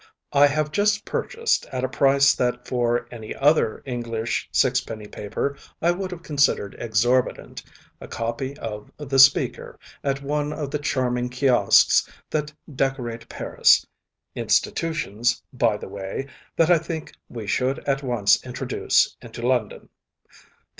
I have just purchased, at a price that for any other English sixpenny paper I would have considered exorbitant, a copy of the Speaker at one of the charming kiosks that decorate Paris; institutions, by the way, that I think we should at once introduce into London.